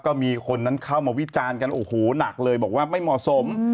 ก็มีคนนั้นเข้ามาวิจารณ์กันโอ้โหหนักเลยบอกว่าไม่เหมาะสม